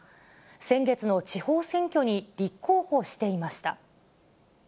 先月の地方選挙に立候補していました。